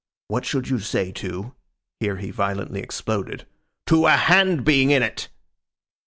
'What should you say to;' here he violently exploded: 'to a Hand being in it?